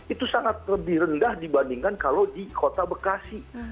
itu sangat lebih rendah dibandingkan kalau di kota bekasi